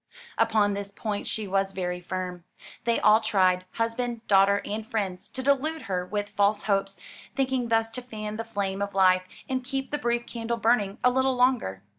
Upon this point she was very firm. They all tried husband, daughter, and friends to delude her with false hopes, thinking thus to fan the flame of life and keep the brief candle burning a little longer.